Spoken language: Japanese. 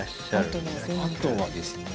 あとはですね